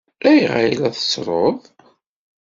Ayɣer ay la tettruḍ?